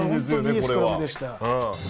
本当にいいスクラムでした。